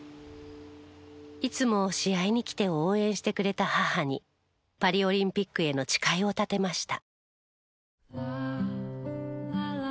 いつも試合に来て応援してくれた母にパリオリンピックへの誓いを立てました。